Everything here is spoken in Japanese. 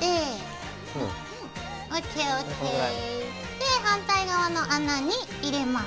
で反対側の穴に入れます。